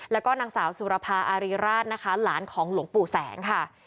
แล้วก็นางสาวสุรภาอารีราชนะคะหลานของหลวงปู่แสงค่ะ